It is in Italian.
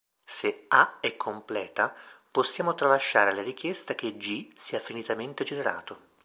Se A è completa, possiamo tralasciare la richiesta che "G" sia finitamente generato.